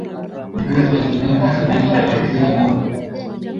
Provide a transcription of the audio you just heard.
Ugonjwa wa ndigana baridi huathiri ngombe